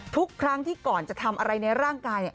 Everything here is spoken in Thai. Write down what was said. ทุกครั้งที่ก่อนจะทำอะไรในร่างกาย